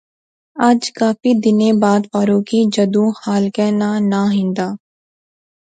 اج کافی دنیں بعد فاروقیں جدوں خالقے ناں ناں ہندا